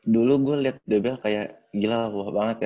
dulu gue liat dbl kayak gila banget ya